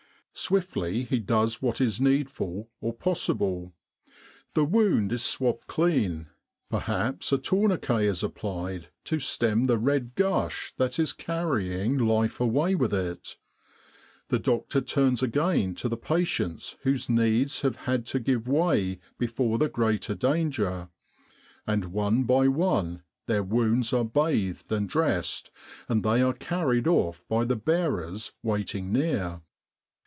Swiftly he does what is needful or possible. The wound is swabbed clean perhaps a tourniquet is applied to stem the red gush that is carrying life away with it the doctor turns again to the patients whose needs have had to give way before the greater danger, and one by one their wounds are bathed and dressed, and they are carried off by the bearers waiting near.